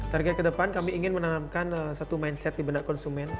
target ke depan kami ingin menanamkan satu mindset di benak konsumen